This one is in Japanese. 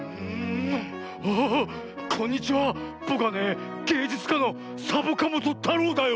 ぼくはねげいじゅつかのサボカもとたろうだよ！